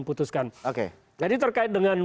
putuskan jadi terkait dengan